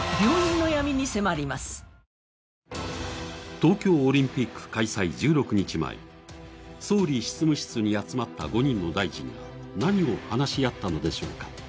東京オリンピック開催１６日前総理執務室に集まった５人の大臣が何を話し合ったのでしょうか？